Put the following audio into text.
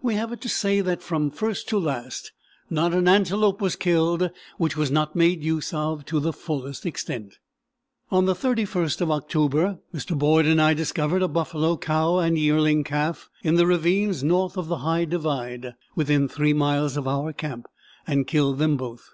We have it to say that from first to last not an antelope was killed which was not made use of to the fullest extent. On the 31st of October, Mr. Boyd and I discovered a buffalo cow and yearling calf in the ravines north of the High Divide, within 3 miles of our camp, and killed them both.